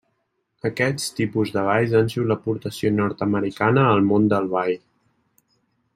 Aquests tipus de balls han sigut l'aportació nord-americana al món del ball.